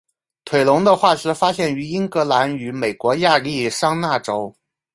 腿龙的化石发现于英格兰与美国亚利桑那州。